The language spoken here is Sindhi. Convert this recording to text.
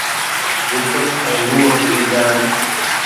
جسم ۽ روح کي ايذائڻ